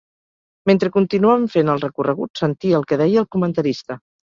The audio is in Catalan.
Mentre continuaven fent el recorregut, sentia el que deia el comentarista.